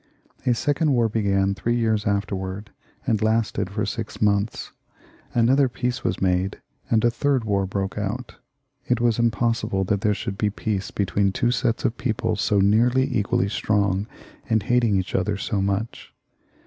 A second war began three^ years afterwards, and lasted for six months. Another p^ace was made, and a third war broke out. It was impossible that there should be peace between two sets of people so nearly equally strong, and hating each other so much.